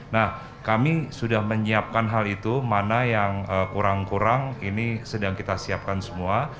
nah kami sudah menyiapkan hal itu mana yang kurang kurang ini sedang kita siapkan semua